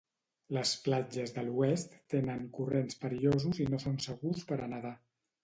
Les platges de l'oest tenen corrents perillosos i no són segurs per a nedar.